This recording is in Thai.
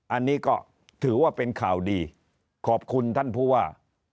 อันนี้ก็ถือว่าเป็นข่าวดีขอบคุณท่านผู้ว่า